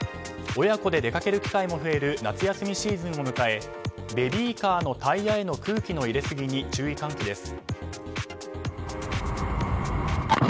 親子で出かける機会も増える夏休みシーズンを迎えベビーカーのタイヤへの空気の入れすぎに注意喚起です。